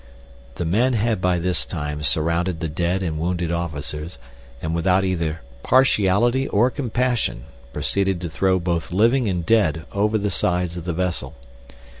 The men had by this time surrounded the dead and wounded officers, and without either partiality or compassion proceeded to throw both living and dead over the sides of the vessel.